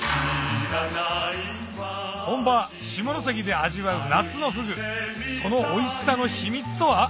本場下関で味わう夏のフグそのおいしさの秘密とは？